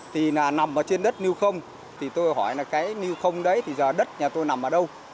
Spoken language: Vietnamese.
thì nằm ở trên đất nưu không thì tôi hỏi là cái nưu không đấy thì giờ đất nhà tôi nằm ở đâu